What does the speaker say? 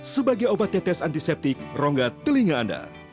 sebagai obat tetes antiseptik rongga telinga anda